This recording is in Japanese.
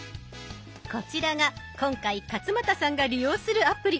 こちらが今回勝俣さんが利用するアプリ。